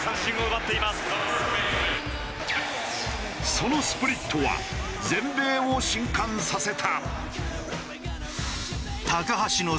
そのスプリットは全米を震撼させた。